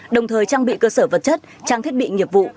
đồng thời trang bị cơ sở vật chất trang thiết bị nghiệp vụ